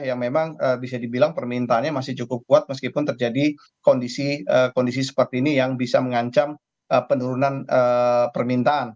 yang memang bisa dibilang permintaannya masih cukup kuat meskipun terjadi kondisi seperti ini yang bisa mengancam penurunan permintaan